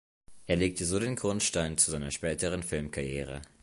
Er legte so den Grundstein zu seiner späteren Filmkarriere.